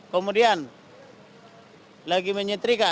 kemudian lagi menyetrika